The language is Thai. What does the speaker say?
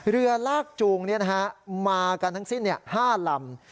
เรือลากจูงมากันทั้งสิ้น๕ลำ